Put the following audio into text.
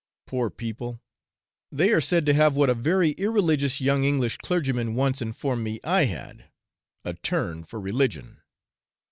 Poor people! They are said to have what a very irreligious young English clergyman once informed me I had a 'turn for religion.'